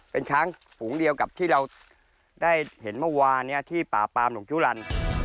เป็นช้างฝูงเดียวกับที่เราได้เห็นเมื่อวานที่ป่าปามหลวงจุลัน